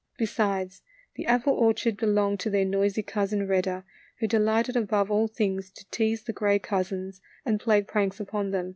Besides, the apple orchard belonged to their noisy Cousin Redder, who delighted above all things to tease the gray cousins, and play pranks upon them.